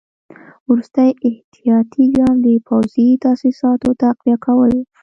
وروستی احتیاطي ګام د پوځي تاسیساتو تقویه کول وو.